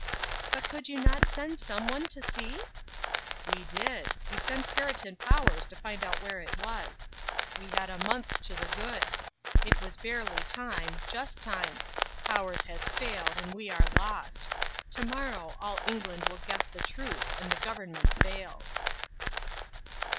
"But could you not send some one to see?" "We did. We sent Perriton Powers to find out where it was. We had a month to the good. It was barely time, just time. Powers has failed and we are lost. To morrow all England will guess the truth and the Government falls."